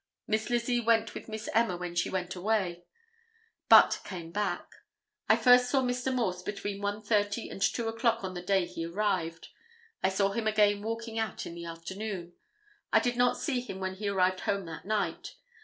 Miss Lizzie went with Miss Emma when she went away, but came back. I first saw Mr. Morse between 1:30 and 2 o'clock on the day he arrived. I saw him again walking out in the afternoon. I did not see him when he arrived home that night.